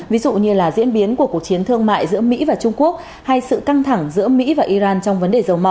ví dụ như là diễn biến của cuộc chiến thương mại giữa mỹ và trung quốc hay sự căng thẳng giữa mỹ và iran trong vấn đề dầu mỏ